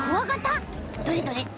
どれどれ？